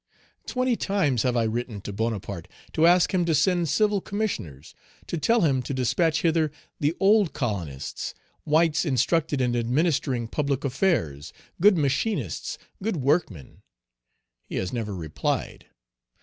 Twenty times have I written to Bonaparte, to ask him to send civil commissioners, to tell him to despatch hither the old colonists, whites instructed in administering public affairs, good machinists, good workmen; he has never replied.